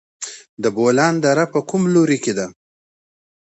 د بولان دره په کوم لوري کې ده؟